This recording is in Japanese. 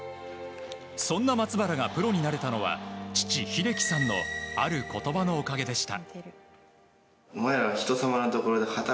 そんな松原がプロになれたのは父・秀樹さんのある言葉のおかげでした。